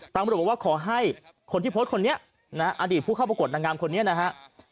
ตำรวจบอกว่าขอให้คนที่โพสต์คนนี้นะฮะอดีตผู้เข้าประกวดนางงามคนนี้นะฮะ